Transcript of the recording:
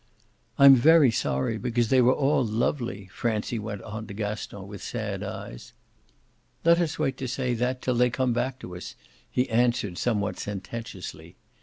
"I'm very sorry because they were all lovely," Francie went on to Gaston with sad eyes. "Let us wait to say that till they come back to us," he answered somewhat sententiously.